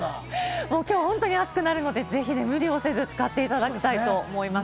きょう暑くなるので、無理をせず、使っていただきたいと思います。